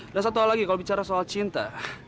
nah satu lagi kalau bicara soal cinta